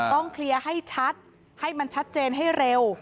ต้องเคลียร์ให้ชัดให้มันชัดเจนให้เร็ว